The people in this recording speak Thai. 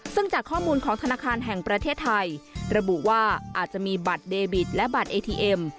ซึ่งจากข้อมูลของธนาคารแห่งประเทศไทยระบุว่าอาจจะมีบัตรเดบิตและบัตรเอทีเอ็ม